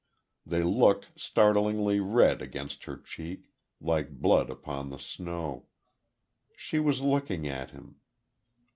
They looked startlingly red against her cheek like blood upon the snow.... She was looking at him....